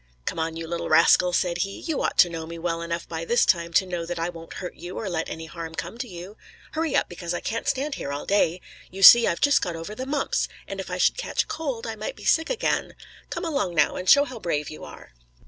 "Come on, you little rascal," said he. "You ought to know me well enough by this time to know that I won't hurt you or let any harm come to you. Hurry up, because I can't stand here all day. You see, I've just got over the mumps, and if I should catch cold I might be sick again. Come along now, and show how brave you are."